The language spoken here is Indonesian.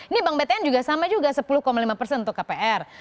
ini bank btn juga sama juga sepuluh lima persen untuk kpr